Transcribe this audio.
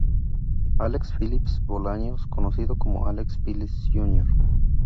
Alex Phillips Bolaños conocido como Alex Phillips Jr.